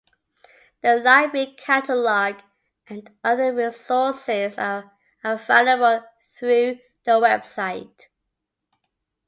The library catalog and other resources are available through the website.